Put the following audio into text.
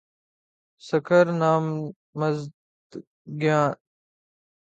سکر نامزدگیاں